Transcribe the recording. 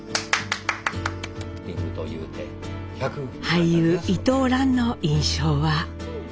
俳優伊藤蘭の印象は？